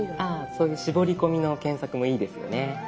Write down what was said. そういう絞り込みの検索もいいですよね。